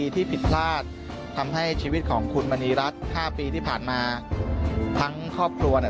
ที่ผิดพลาดทำให้ชีวิตของคุณมณีรัฐ๕ปีที่ผ่านมาทั้งครอบครัวเนี่ย